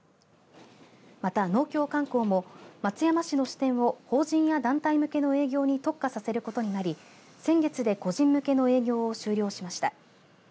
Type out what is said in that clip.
また、農協観光も松山市の支店を法人や団体向けの営業に特化させることになり先月で個人向けの営業を終了しました。